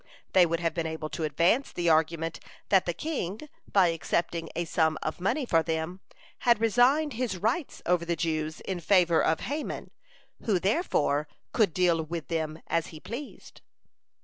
They would have been able to advance the argument, that the king, by accepting a sum of money for them, had resigned his rights over the Jews in favor of Haman, who, therefore, could deal with them as he pleased.